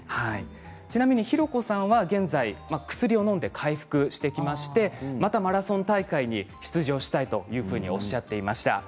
ちなみにひろこさんは現在薬をのんで回復してきましてまたマラソン大会に出場したいいうふうにおっしゃっていました。